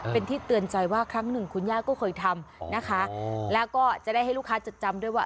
เป็นที่เตือนใจว่าครั้งหนึ่งคุณย่าก็เคยทำนะคะแล้วก็จะได้ให้ลูกค้าจดจำด้วยว่า